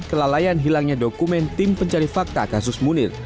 kelalaian hilangnya dokumen tim pencari fakta kasus munir